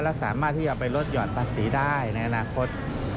และสามารถที่จะไปลดหย่อนภาษีได้ในอนาคต